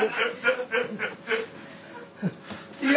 いや！